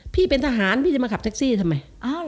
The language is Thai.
พี่เป็นทหารพี่จะมาขับแท็กซี่ทำไม